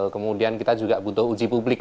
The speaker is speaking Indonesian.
kemudian kita juga butuh uji publik